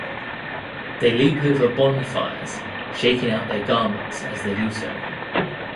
They leap over bonfires, shaking out their garments as they do so.